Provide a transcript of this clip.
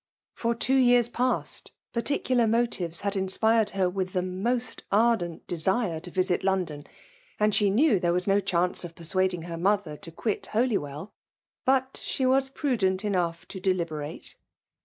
For two years past particular motives had inspired her with the most ardent desire to visit Londcm : and she knew there was no chance of persuading her mother to quit Holywell. But she was prudent enough to •deliberate.